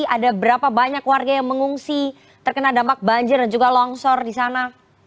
ada berapa banyak warga yang mengungsi terkena dampak banjir dan juga longsor di sana